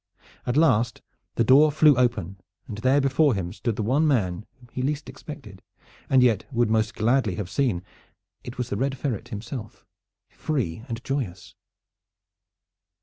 At last the door flew open, and there before him stood the one man whom he least expected, and yet would most gladly have seen. It was the Red Ferret himself, free and joyous.